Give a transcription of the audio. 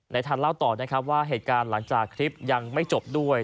ทันเล่าต่อนะครับว่าเหตุการณ์หลังจากคลิปยังไม่จบด้วย